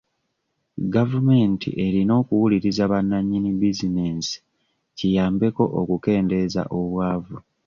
Gavumenti erina okuwuliriza bananyini bizinesi kiyambeko okukendezza obwavu.